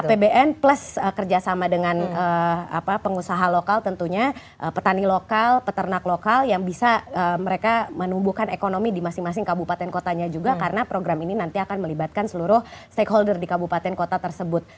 apbn plus kerjasama dengan pengusaha lokal tentunya petani lokal peternak lokal yang bisa mereka menumbuhkan ekonomi di masing masing kabupaten kotanya juga karena program ini nanti akan melibatkan seluruh stakeholder di kabupaten kota tersebut